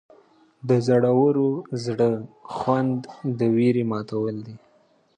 د زړور زړه خوند د ویرې ماتول دي.